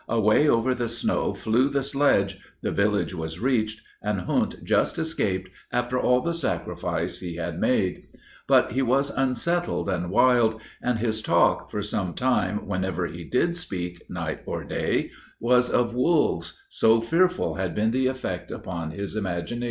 Away over the snow flew the sledge, the village was reached, and Hund just escaped after all the sacrifice he had made. But he was unsettled and wild, and his talk, for some time whenever he did speak, night or day, was of wolves so fearful had been the effect upon his imagination.